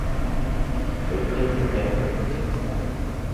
Cook lived in Denver until his death.